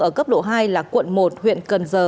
ở cấp độ hai là quận một huyện cần giờ